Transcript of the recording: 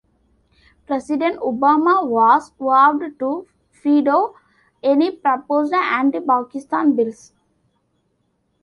President Obama has vowed to veto any proposed anti-Pakistan bills.